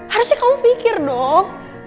harusnya kamu pikir dong